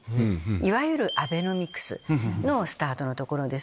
いわゆるアベノミクスのスタートの所です。